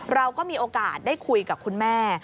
เราก็มีโอกาสได้คุยกับคุณแม่